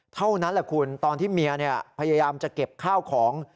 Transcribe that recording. เท่านั้นแหละคุณตอนที่เมียพยายามจะเก็บข้าวของ